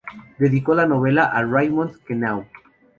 Dedicó la novela a Raymond Queneau.